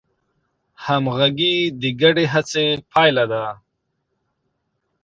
همغږي د ګډې هڅې پایله ده.